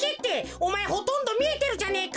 おまえほとんどみえてるじゃねえか。